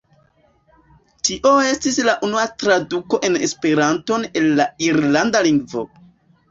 Tio estis la unua traduko en Esperanton el la irlanda lingvo.